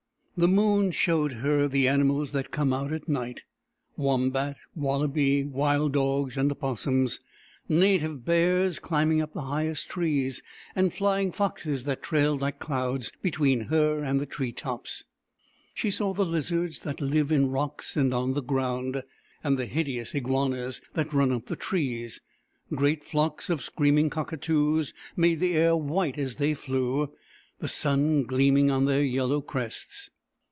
The moon showed her the animals that come out at night — wombat, wallaby, wild dogs, and opossums ; native bears climbing up the highest trees, and flying foxes that trailed like clouds between her and the tree tops. She saw the lizards that live in rocks and on the ground, and the hideous iguanas that run up the trees. Great flocks of screaming cocka toos made the air white, as they flew, the sun gleaming on their yellow crests.